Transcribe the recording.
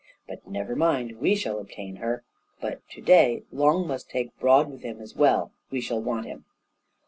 But never mind! we shall obtain her, but to day Long must take Broad with him as well; we shall want him."